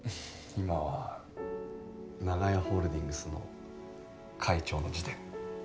今は長屋ホールディングスの会長の自伝。